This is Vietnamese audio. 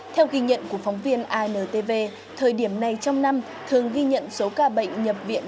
theo ghi nhận của phóng viên intv thời điểm này trong năm thường ghi nhận số ca bệnh nhập viện